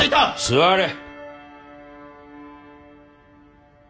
座れ！